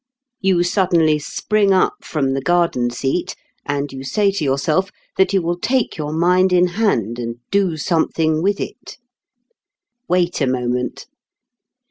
You suddenly spring up from the garden seat, and you say to yourself that you will take your mind in hand and do something with it. Wait a moment.